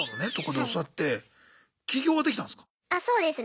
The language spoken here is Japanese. あそうですね。